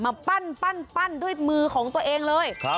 มาปั้นด้วยมือของตัวเองเลย